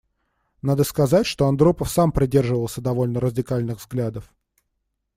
Надо сказать, что Андропов сам придерживался довольно радикальных взглядов.